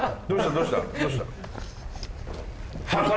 どうした？